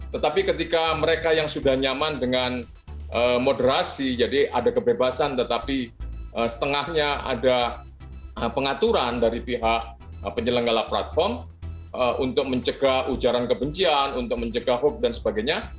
tetapi ketika mereka yang sudah nyaman dengan moderasi jadi ada kebebasan tetapi setengahnya ada pengaturan dari pihak penyelenggara platform untuk mencegah ujaran kebencian untuk mencegah hoax dan sebagainya